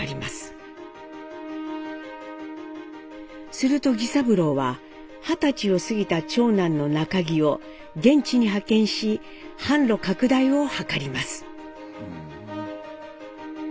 すると儀三郎は二十歳を過ぎた長男の中儀を現地に派遣し販路拡大を図ります。